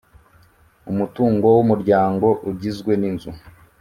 umutungo w umuryango ugizwe n i nzu